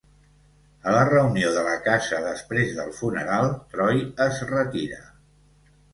A la reunió de la casa després del funeral, Troy es retira.